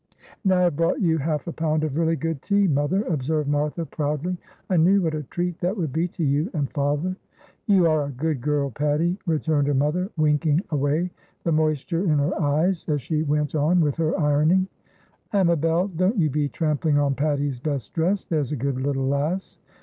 "And I have brought you half a pound of really good tea, mother," observed Martha, proudly. "I knew what a treat that would be to you and father." "You are a good girl, Patty," returned her mother, winking away the moisture in her eyes, as she went on with her ironing. "Amabel, don't you be trampling on Patty's best dress, there's a good little lass.